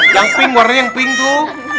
yang pink warnanya yang pink tuh